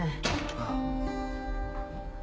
ああ。